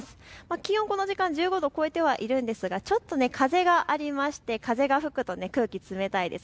気温、この時間、１５度を超えてはいるんですがちょっと風がありまして、風が吹くと空気冷たいです。